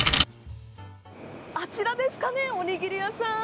あちらですかねおにぎり屋さん。